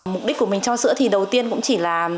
mục đích của mình cho sữa thì đầu tiên cũng chỉ là